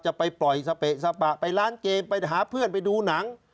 จะไปปล่อยสเปะสปะไปร้านเกมไปหาเพื่อนไปดูหนัง